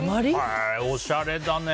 おしゃれだね。